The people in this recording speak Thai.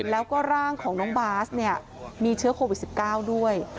แล้วก็ร่างของน้องบาสเนี่ยมีเชื้อโควิด๑๙ด้วย